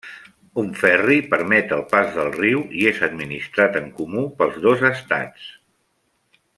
Un ferri permet el pas del riu i és administrat en comú pels dos estats.